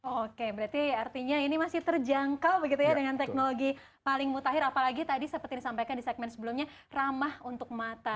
oke berarti artinya ini masih terjangkau begitu ya dengan teknologi paling mutakhir apalagi tadi seperti disampaikan di segmen sebelumnya ramah untuk mata